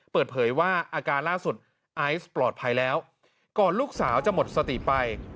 เปิดเผยว่าอาการล่าสุดไอซ์ปลอดภัยแล้วก่อนลูกสาวจะหมดสติไป